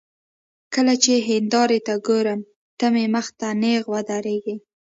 کله چې هندارې ته ګورم، ته مې مخ ته نېغه ودرېږې